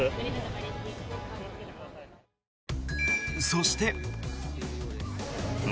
そして。